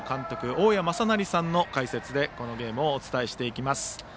大矢正成さんの解説でこのゲームをお伝えしていきます。